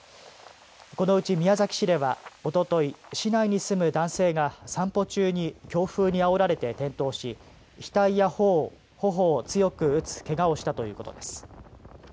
このうち宮崎市ではおととい市内に住む男性が散歩中に強風にあおられて転倒し額や頬を強く打つけがをしたということです。